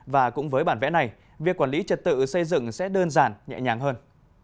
và cũng với bản vẽ này việc quản lý trật tự xây dựng sẽ đơn giản nhẹ nhàng hơn